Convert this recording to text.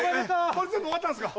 これ全部終わったんすか？